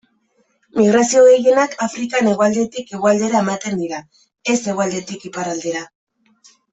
Migrazio gehienak Afrikan hegoaldetik hegoaldera ematen dira, ez hegoaldetik iparraldera.